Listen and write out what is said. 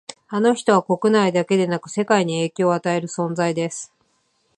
あの人は国内だけでなく世界に影響を与える存在です